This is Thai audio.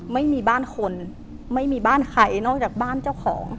ไม่มีบ้านคนไม่มีบ้านใครนอกจากบ้านเจ้าของ